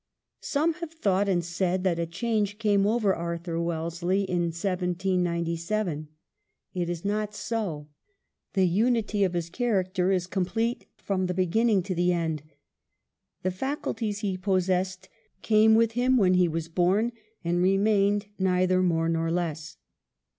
Some have thought and said that a change came over Arthur Wellesley in 1797. It is not so ; the unity of his i6 WELLINGTON character is complete from the beginning to the end. The faculties he possessed came with him when he was born, and remained neither more nor less.